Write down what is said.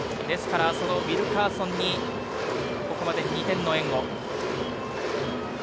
ウィルカーソンにここまで２点の援護。